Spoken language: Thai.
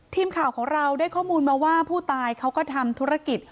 ทีมข่าวของเราได้ข้อมูลมาว่าผู้ตายเขาก็ทำธุรกิจ